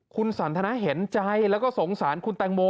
คุณสันทนาเห็นใจแล้วก็สงสารคุณแตงโม